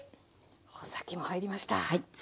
穂先も入りました。